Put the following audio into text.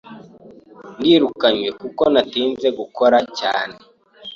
Ndirukanwe kuko natinze gukora cyane.